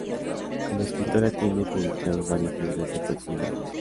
Como escritora, tiene publicados varios libros de poesía y novelas.